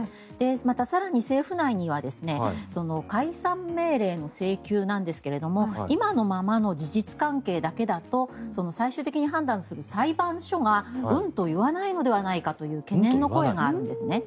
また、更に政府内には解散命令の請求なんですが今のままの事実関係だけだと最終的に判断する裁判所が、うんと言わないのではないかという懸念の声があるんですね。